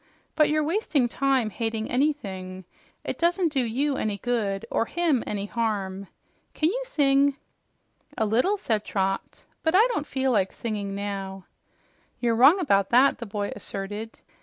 "But you're wasting time hating anything. It doesn't do you any good, or him any harm. Can you sing?" "A little," said Trot, "but I don't feel like singing now." "You're wrong about that," the boy asserted.